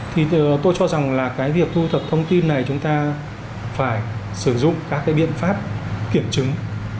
thì tôi cho rằng là cái việc thu thập thông tin này chúng ta phải sử dụng các cái biện pháp kiểm chứng